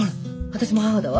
私も母だわ。